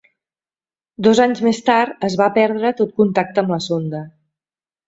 Dos anys més tard es va perdre tot contacte amb la sonda.